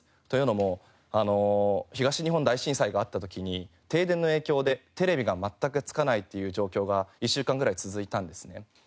というのも東日本大震災があった時に停電の影響でテレビが全くつかないという状況が１週間ぐらい続いたんですね。